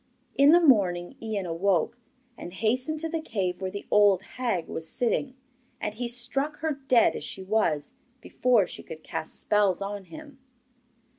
In the morning Ian awoke, and hastened to the cave where the old hag was sitting, and he struck her dead as she was, before she could cast spells on him.